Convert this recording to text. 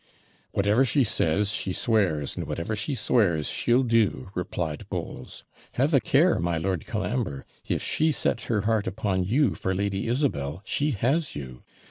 'Whatever she says, she swears, and whatever she swears, she'll do,' replied Bowles. 'Have a care, my Lord Colambre; if she sets her heart upon you for Lady Isabel, she has you.